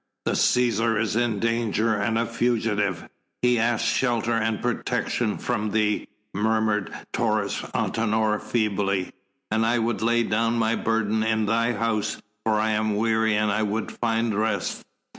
"The Cæsar is in danger, and a fugitive. He asks shelter and protection from thee," murmured Taurus Antinor feebly, "and I would lay down my burden in thy house for I am weary and I would find rest."